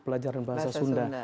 pelajaran bahasa sunda